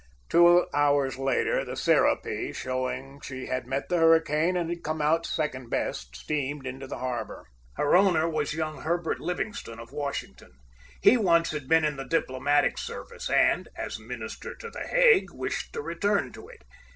Two hours later, the Serapis, showing she had met the hurricane and had come out second best, steamed into the harbor. Her owner was young Herbert Livingstone, of Washington. He once had been in the diplomatic service, and, as minister to The Hague, wished to return to it.